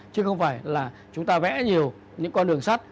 chứ không phải là chúng ta vẽ nhiều những con đường sắt